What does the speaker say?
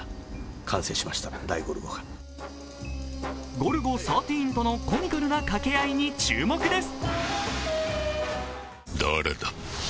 ゴルゴ１３とのコミカルな掛け合いに注目です。